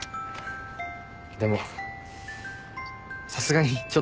でもさすがにちょっと疲れたな。